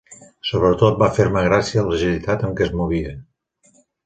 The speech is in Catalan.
Sobretot va fer-me gràcia l'agilitat amb què es movia.